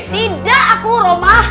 tidak aku urwa mahal